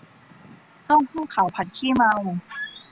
เต้าหู้ขาวผัดขี้เมา